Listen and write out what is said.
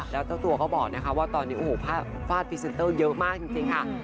แล้วเจ้าตัวเขาบอกนะคะว่าตอนนี้โอ้โหฟาดพรีเซนเตอร์เยอะมากจริงค่ะ